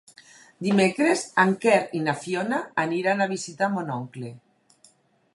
Dimecres en Quer i na Fiona aniran a visitar mon oncle.